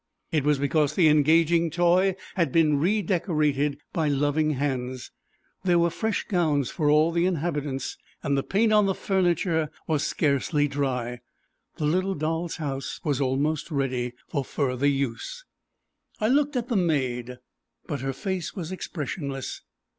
It was because the engaging toy had been redecorated by loving hands; there were fresh gowns for all the inhabitants, and the paint on the furniture was scarcely dry. The little doll's house was almost ready for further use. I looked at the maid, but her face was expressionless.